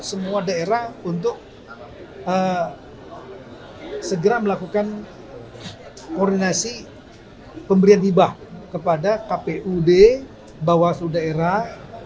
semua daerah untuk segera melakukan koordinasi pemberian hibah kepada kpud bawaslu daerah